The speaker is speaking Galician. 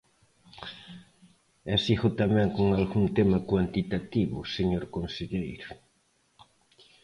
E sigo tamén con algún tema cuantitativo, señor conselleiro.